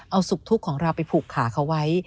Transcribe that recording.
เอาสุขทุกข์ของเราไปผูกขาเขาไว้